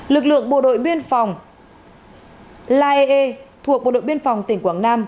lực lượng bộ đội biên phòng laee thuộc bộ đội biên phòng tỉnh quảng nam